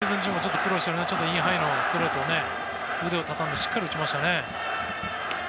非常に難しい球シーズン中も苦労していたインハイのストレートを腕を畳んでしっかり打ちましたね。